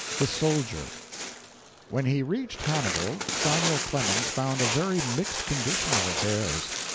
THE SOLDIER When he reached Hannibal, Samuel Clemens found a very mixed condition of affairs.